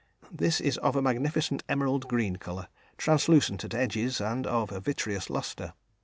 This is of a magnificent emerald green colour, translucent at edges and of a vitreous lustre.